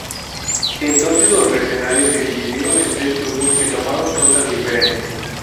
Entonces los mercenarios se dividieron en tres grupos que tomaron rutas diferentes.